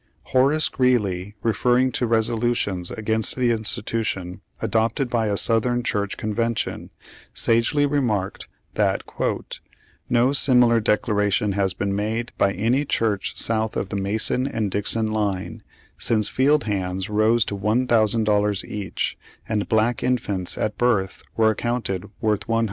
Horace Greeley, referring to resolutions against the institution adopted by a Southern church con vention sagely remarked that "No similar declara tion has been made" by any church south of the Mason and Dixon line, "since field hands rose to $1,000 each, and black infants at birth, were accounted worth $100."